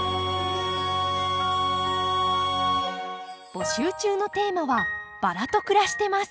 募集中のテーマは「バラと暮らしてます！」